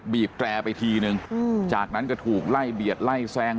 แกร่ไปทีนึงจากนั้นก็ถูกไล่เบียดไล่แซง